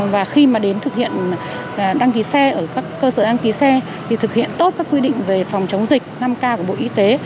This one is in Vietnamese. và khi mà đến thực hiện đăng ký xe ở các cơ sở đăng ký xe thì thực hiện tốt các quy định về phòng chống dịch năm k của bộ y tế